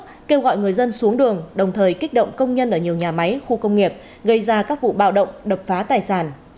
kêu gọi người dân xuống đường đồng thời kích động công nhân ở nhiều nhà máy khu công nghiệp gây ra các vụ bạo động đập phá tài sản